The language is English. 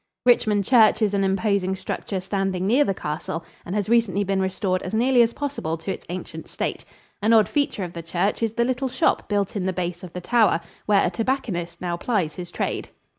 Richmond Church is an imposing structure standing near the castle and has recently been restored as nearly as possible to its ancient state. An odd feature of the church is the little shop built in the base of the tower, where a tobacconist now plies his trade.